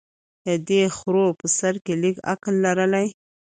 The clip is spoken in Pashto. که دې خرو په سر کي لږ عقل لرلای